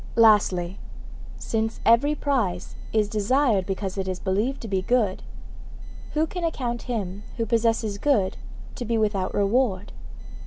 Lastly, since every prize is desired because it is believed to be good, who can account him who possesses good to be without reward?